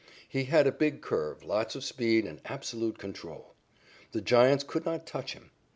He had a big curve, lots of speed, and absolute control. The Giants could not touch him.